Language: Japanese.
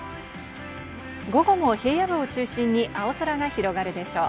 午後も平野部を中心に青空が広がるでしょう。